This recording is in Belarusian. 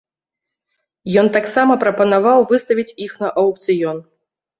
Ён таксама прапанаваў выставіць іх на аўкцыён.